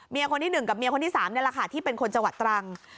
เมียคนที่หนึ่งกับเมียคนที่สามเนี่ยแหละค่ะที่เป็นคนชาวตรัง